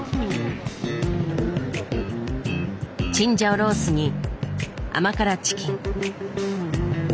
チンジャオロースーに甘辛チキン。